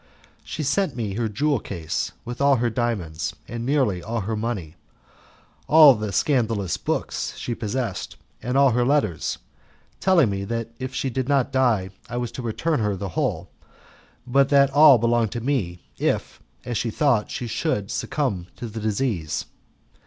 She sent me her jewel case, with all her diamonds and nearly all her money, all the scandalous books she possessed, and all her letters, telling me that if she did not die I was to return her the whole, but that all belonged to me if, as she thought, she should succumb to the disease.